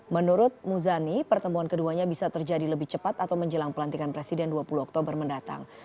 menurut muzani pertemuan keduanya bisa terjadi lebih cepat atau menjelang pelantikan presiden dua puluh oktober mendatang